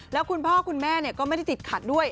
แล้วคุณพ่อคุณแม่ก็ไม่ได้ติดขัดด้วย